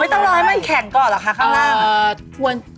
ไม่ต้องเราะให้ให้แก่งก่อหร่ะค่ะข้างหน้า